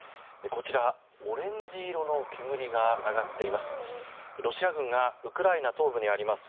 こちら、オレンジ色の煙が上がっています。